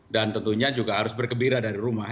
dan tentunya juga harus berkebira dari rumah